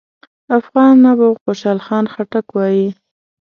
افغان نبوغ خوشحال خان خټک وايي: